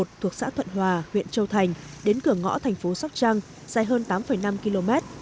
cuộc xã tuận hòa huyện châu thành đến cửa ngõ thành phố sóc trăng dài hơn tám năm km